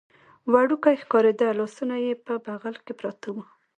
وړوکی ښکارېده، لاسونه یې په بغل کې پراته و.